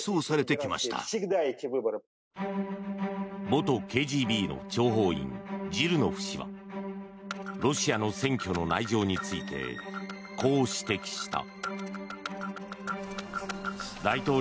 元ＫＧＢの諜報員ジルノフ氏はロシアの選挙の内情についてこう指摘した。